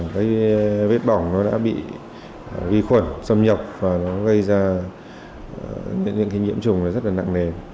cái vết bỏng nó đã bị vi khuẩn xâm nhập và nó gây ra những cái nhiễm trùng rất là nặng nề